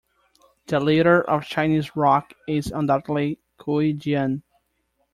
The leader of Chinese rock is undoubtedly Cui Jian.